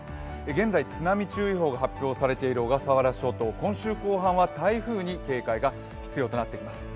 現在、津波注意報が発表されている小笠原諸島今週後半は台風に警戒が必要となっています。